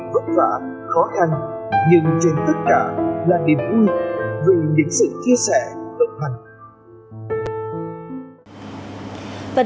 khó khăn khó khăn nhưng trên tất cả là điểm ưu gần đến sự chia sẻ tận hành